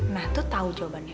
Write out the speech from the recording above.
nah tuh tau jawabannya